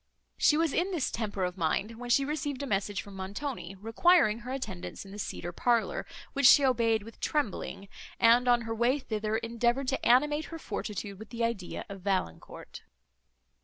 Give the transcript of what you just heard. She was in this temper of mind, when she received a message from Montoni, requiring her attendance in the cedar parlour, which she obeyed with trembling, and, on her way thither, endeavoured to animate her fortitude with the idea of Valancourt.